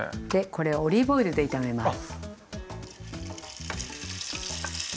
これオリーブオイルで炒めます。